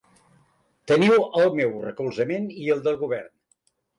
Teniu el meu recolzament i el del govern.